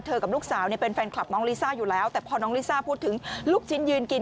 กับลูกสาวเนี่ยเป็นแฟนคลับน้องลิซ่าอยู่แล้วแต่พอน้องลิซ่าพูดถึงลูกชิ้นยืนกิน